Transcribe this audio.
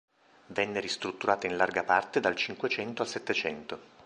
Venne ristrutturata in larga parte dal Cinquecento al Settecento.